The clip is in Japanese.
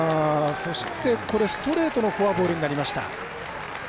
そして、ストレートのフォアボールになりました。